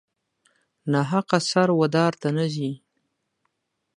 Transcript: ناحقه سر و دار ته نه ځي.